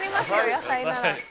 野菜なら。